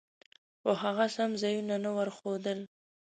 خو هغه سم ځایونه نه ورښودل.